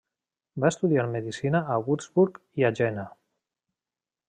Va estudiar medicina a Würzburg i a Jena.